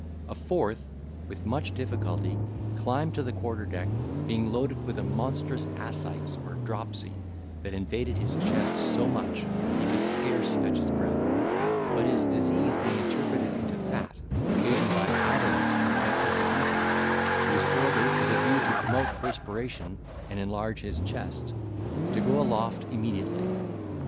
A fourth, with much difficulty, climbed to the quarter deck, being loaded with a monstrous ascites, or dropsy, that invaded his chest so much, he could scarce fetch his breath; but his disease being interpreted into fat, occasioned by idleness and excess of eating, he was ordered, with a view to promote perspiration and enlarge his chest, to go aloft immediately.